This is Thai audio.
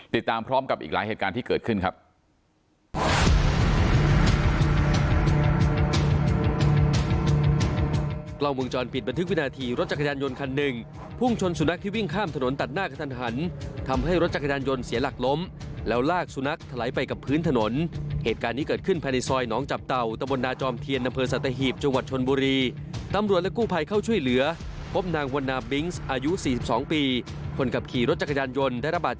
ติดตามพร้อมกับอีกหลายเหตุการณ์ที่เกิดขึ้นครับ